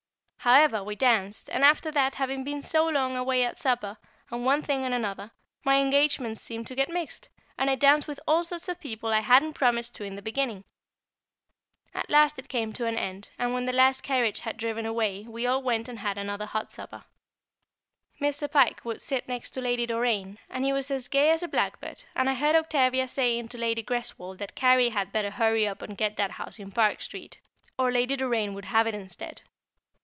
However, we danced, and after that, having been so long away at supper, and one thing and another, my engagements seemed to get mixed, and I danced with all sorts of people I hadn't promised to in the beginning. At last it came to an end, and when the last carriage had driven away, we all went and had another hot supper. [Sidenote: End of the Ball] Mr. Pike would sit next to Lady Doraine, and he was as gay as a blackbird, and I heard Octavia saying to Lady Greswold that Carry had better hurry up and get that house in Park Street, or Lady Doraine would have it instead.